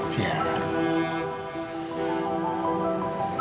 bukan gitu mas